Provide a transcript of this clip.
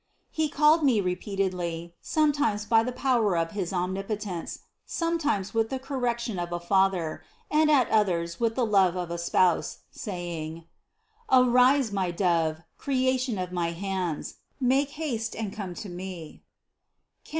He called me re peatedly, sometimes by the power of his omnipotence, sometimes with the correction of a Father, and at others with the love of a Spouse, saying: Arise, my dove, creation of my hands, make haste and come to Me (Cant.